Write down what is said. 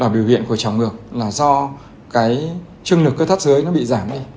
bệnh của trọng ngược là do cái chương lực cơ thất dưới nó bị giảm đi